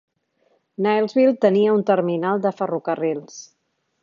Nielsville tenia una terminal de ferrocarrils.